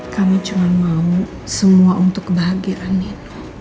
kami cuma mau semua untuk kebahagiaan nino